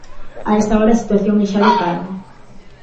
A esta hora a situación é xa de calma.